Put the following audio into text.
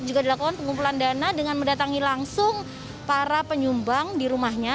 juga dilakukan pengumpulan dana dengan mendatangi langsung para penyumbang di rumahnya